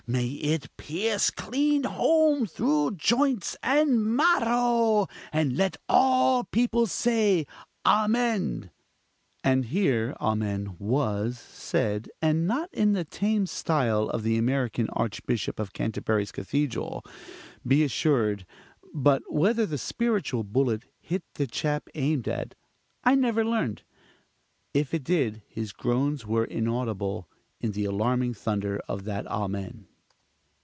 may it pierce clean home through joints and marrow! and let all people say amen! (and here amen was said, and not in the tame style of the American Archbishop of Canterbury's cathedral, be assured; but whether the spiritual bullet hit the chap aimed at, I never learned; if it did, his groans were inaudible in the alarming thunder of that amen).